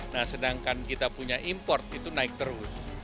nah sedangkan kita punya import itu naik terus